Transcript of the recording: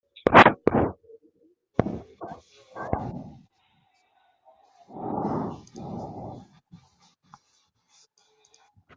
Il constate que les écologistes sont devenus partie prenante des grands projets.